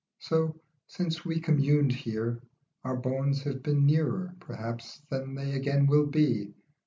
So, since we communed here, our bones have been Nearer, perhaps, than they again will be.